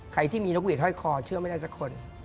ใครที่มีนกหวีดห้อยคอเชื่อไม่ได้สักคน